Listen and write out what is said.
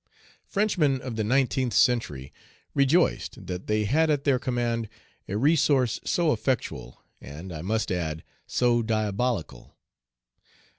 Frenchmen of the nineteenth century rejoiced that they had at their command a resource so effectual, and, I must add, so diabolical.